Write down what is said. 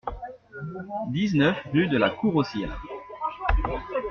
dix-neuf rue de la Cour au Sire